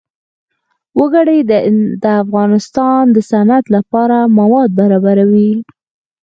وګړي د افغانستان د صنعت لپاره مواد برابروي.